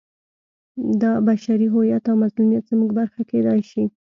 دا بشري هویت او مظلومیت زموږ برخه کېدای شي.